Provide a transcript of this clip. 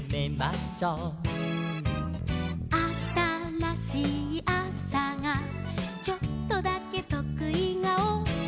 「あたらしいあさがちょっとだけとくい顔」